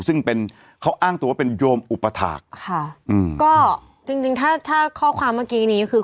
ซึ่งเป็นเขาอ้างตัวว่าเป็นโยมอุปถาคค่ะอืมก็จริงจริงถ้าถ้าข้อความเมื่อกี้นี้คือ